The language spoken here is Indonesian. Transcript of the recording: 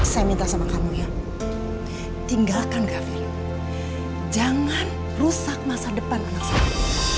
saya minta sama kamu ya tinggalkan kami jangan rusak masa depan anak saya